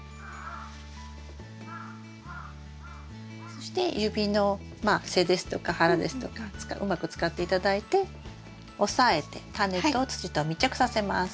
そして指の背ですとか腹ですとかうまく使って頂いて押さえてタネと土とを密着させます。